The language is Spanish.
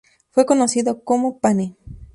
Fue conocido como "Pane".